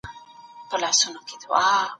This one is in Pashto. عملي ټولنپوهان د ناروغانو ستونزې حلوي.